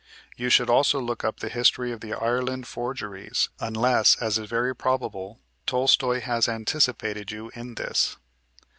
You should also look up the history of the Ireland forgeries, unless, as is very probable, Tolstoy has anticipated you in this.